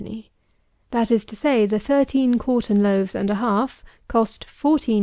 _; that is to say, the thirteen quartern loaves and a half cost 14_s.